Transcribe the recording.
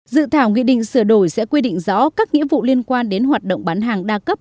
dự thảo nghị định sửa đổi sẽ quy định rõ các nghĩa vụ liên quan đến hoạt động bán hàng đa cấp